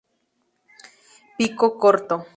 Pico corto.